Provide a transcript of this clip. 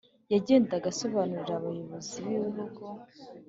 yagendaga asobanurira abayobozi b'ibihugu